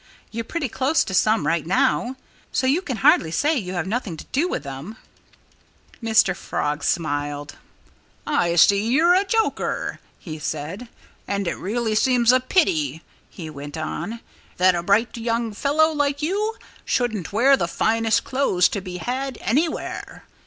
"You're pretty close to some right now. So you can hardly say you have nothing to do with them." Mr. Frog smiled. "I see you're a joker," he said. "And it really seems a pity," he went on, "that a bright young fellow like you shouldn't wear the finest clothes to be had anywhere.